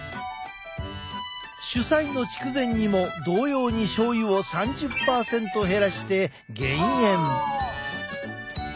主菜の筑前煮も同様にしょうゆを３０％減らして減塩。